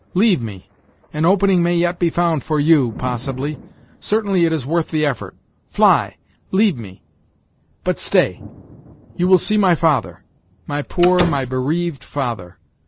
Leave me, An opening may yet be found for you, possibly certainly it is worth the effort. Fly! leave me but stay! You will see my father! my poor, my bereaved father!